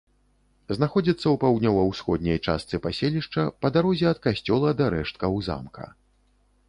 Знаходзіцца ў паўднёва-ўсходняй частцы паселішча, па дарозе ад касцёла да рэшткаў замка.